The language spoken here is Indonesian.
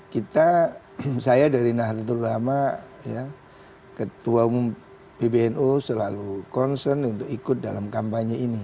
kita saya dari nahdlatul ulama ketua umum pbnu selalu concern untuk ikut dalam kampanye ini